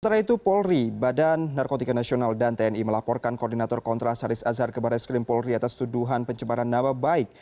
sementara itu polri badan narkotika nasional dan tni melaporkan koordinator kontras haris azhar ke baris krim polri atas tuduhan pencemaran nama baik